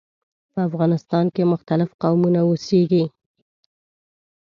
په افغانستان کې مختلف قومونه اوسیږي.